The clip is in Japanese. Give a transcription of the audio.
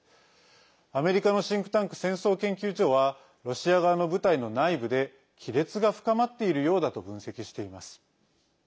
アメリカのシンクタンク戦争研究所はロシア側の部隊の内部で亀裂が深まっているようだと分析しています。